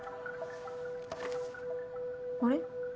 あれ？